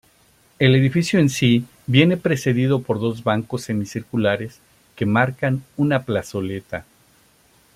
El edificio en sí viene precedido por dos bancos semicirculares que marcan una plazoleta.